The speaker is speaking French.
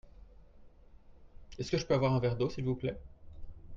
Est-ce que je peux avoir un verre d'eau s'il vous plait ?